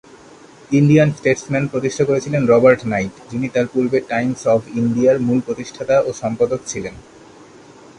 Indian Statesman প্রতিষ্ঠা করেছিলেন Robert night, যিনি তার পূর্বে টাইমস অফ ইন্ডিয়ার মূল প্রতিষ্ঠাতা ও সম্পাদক ছিলেন।